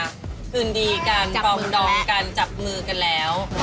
คืนดีกันปลองดองกันจับมือกันแล้ว